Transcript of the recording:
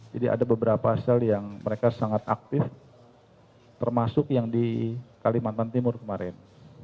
jadi ada beberapa sel yang mereka sangat aktif termasuk yang di kalimantan timur kemarin